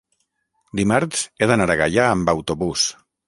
dimarts he d'anar a Gaià amb autobús.